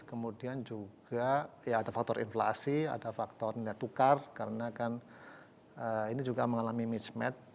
kemudian juga ya ada faktor inflasi ada faktor nilai tukar karena kan ini juga mengalami mismatch